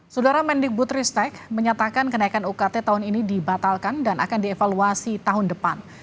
sudara mendikbutristek menyatakan kenaikan ukt tahun ini dibatalkan dan akan dievaluasi tahun depan